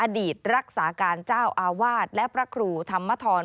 รักษาการเจ้าอาวาสและพระครูธรรมทร